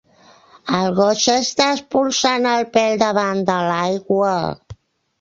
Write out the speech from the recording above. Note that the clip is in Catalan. El gos s'està espolsant el pèl davant de l'aigua.